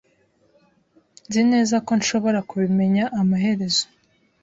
Nzi neza ko nshobora kubimenya amaherezo.